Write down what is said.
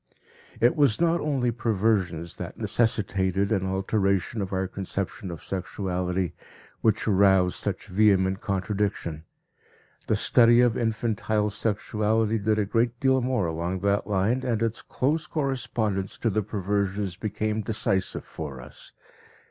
It was not only perversions that necessitated an alteration of our conception of sexuality, which aroused such vehement contradiction. The study of infantile sexuality did a great deal more along that line, and its close correspondence to the perversions became decisive for us.